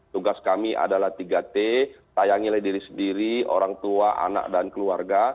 tugas kami adalah tiga t tayangi oleh diri sendiri orang tua anak dan keluarga